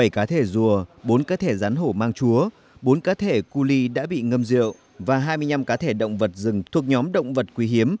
bảy cá thể rùa bốn cá thể rắn hổ mang chúa bốn cá thể cu ly đã bị ngâm rượu và hai mươi năm cá thể động vật rừng thuộc nhóm động vật quý hiếm